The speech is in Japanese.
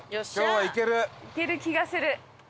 いける気がする。